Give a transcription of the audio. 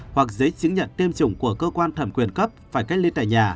hoặc giấy chứng nhận tiêm chủng của cơ quan thẩm quyền cấp phải cách ly tại nhà